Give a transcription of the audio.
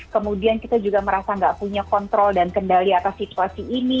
kemudian kita juga merasa nggak punya kontrol dan kendali atas situasi ini